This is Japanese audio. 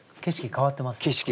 景色変わってますかね？